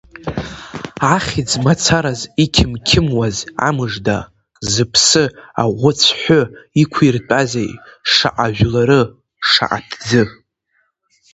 Ахьӡ мацараз иқымқымуаз, амыжда, зыԥсы, аӷәыцәҳәы иқәиртәазеи шаҟа жәлары, шаҟа ҭӡы?